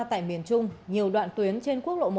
tại miền trung nhiều đoạn tuyến trên quốc lộ một